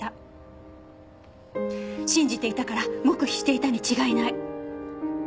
信じていたから黙秘していたに違いない。